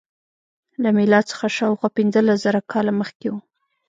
له میلاد څخه شاوخوا پنځلس زره کاله مخکې و.